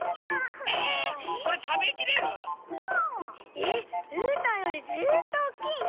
えっうーたんよりずっとおっきいね！